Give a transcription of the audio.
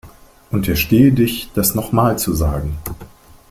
Unterstehe dich, das noch mal zu sagen!